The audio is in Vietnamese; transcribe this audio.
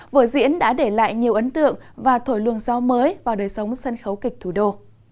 vở diễn đã để lại nhiều ấn tượng và thổi luồng gió mới vào đời sống sân khấu kịch thủ đô